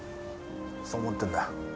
そう思ってるんだよ。